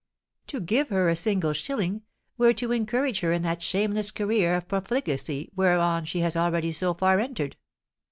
"To give her a single shilling, were to encourage her in that shameless career of profligacy whereon she has already so far entered."